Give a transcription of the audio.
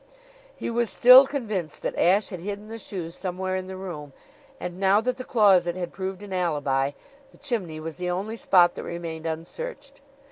He was still convinced that Ashe had hidden the shoe somewhere in the room, and, now that the closet had proved an alibi, the chimney was the only spot that remained unsearched.